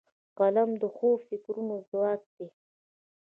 قلم د ښو فکرونو ځواک دی